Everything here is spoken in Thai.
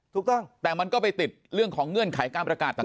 ถูกต้องแต่มันก็ไปติดเรื่องของเงื่อนไขการประกาศต่าง